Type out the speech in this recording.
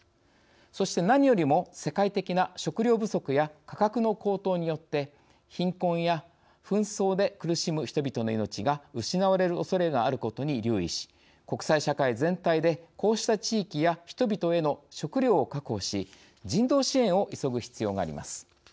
そして、何よりも世界的な食糧不足や価格の高騰によって貧困や紛争で苦しむ人々の命が失われるおそれがあることに留意し、国際社会全体でこうした地域や人々への食糧を確保し、人道支援を急ぐ必要があります。